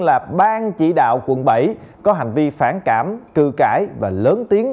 là ban chỉ đạo quận bảy có hành vi phản cảm cư cãi và lớn tiếng